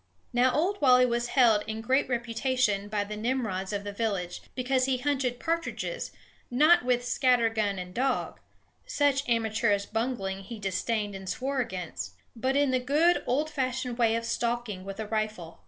Now Old Wally was held in great reputation by the Nimrods of the village, because he hunted partridges, not with "scatter gun" and dog, such amateurish bungling he disdained and swore against, but in the good old fashioned way of stalking with a rifle.